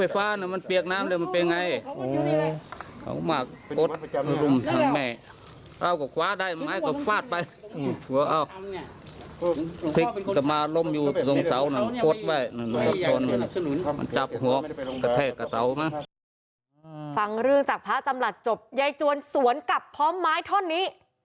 ฟังเรื่องจากพระจำหลัดจบยายจวนสวนกลับพร้อมไม้ท่อนนี้